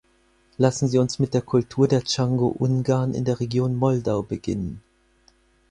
Lassen Sie uns mit der Kultur der Csango-Ungarn in der Region Moldau beginnen.